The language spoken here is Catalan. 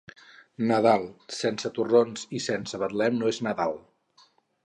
Nadal sense torrons i sense Betlem no és Nadal.